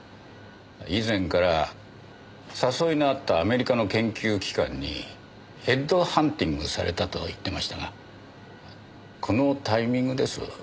以前から誘いのあったアメリカの研究機関にヘッドハンティングされたと言ってましたがこのタイミングです。